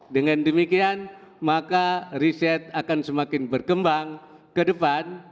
dengan demikian maka riset akan semakin berkembang ke depan